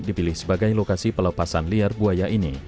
dipilih sebagai lokasi pelepasan liar buaya ini